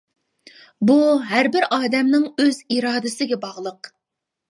بۇ ھەر بىر ئادەمنىڭ ئۆز ئىرادىسىگە باغلىق.